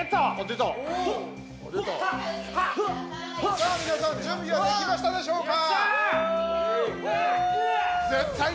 さあ皆さん準備はできましたでしょうか？